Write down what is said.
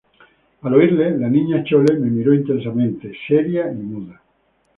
al oírle, la Niña Chole me miró intensamente, seria y muda.